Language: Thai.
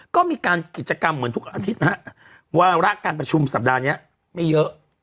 ก็มีการกิจกรรมเหมือนทุกอาทิตย์นะฮะวาระการประชุมสัปดาห์นี้ไม่เยอะ